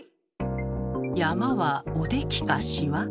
山は「おでき」か「しわ」？